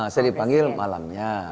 saya dipanggil malamnya